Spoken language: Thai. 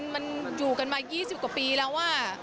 มันอยู่กันมา๒๐กว่าปีแล้ว